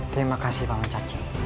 terima kasih baman cacik